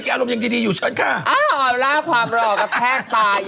อาเล็กซ์